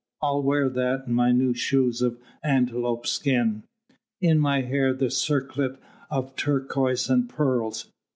I'll wear that and my new shoes of antelope skin. In my hair the circlet of turquoise and pearls